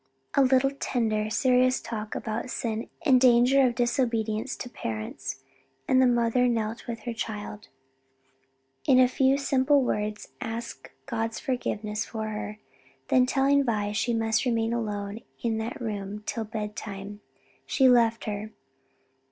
A little tender, serious talk on the sin and danger of disobedience to parents, and the mother knelt with her child, and in a few simple words asked God's forgiveness for her. Then telling Vi she must remain alone in that room till bedtime, she left her.